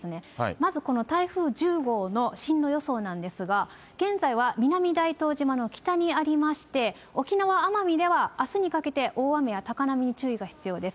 まずこの台風１０号の進路予想なんですが、現在は南大東島の北にありまして、沖縄・奄美では、あすにかけて大雨や高波に注意が必要です。